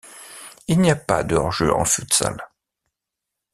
Il n'y a pas de hors jeu en futsal.